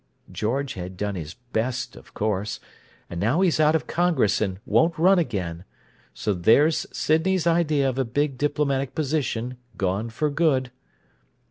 George had done his best, of course, and now he's out of Congress, and won't run again—so there's Sydney's idea of a big diplomatic position gone for good.